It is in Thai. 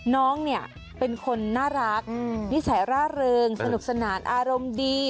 น้องเนี่ยเป็นคนน่ารักนิสัยร่าเริงสนุกสนานอารมณ์ดี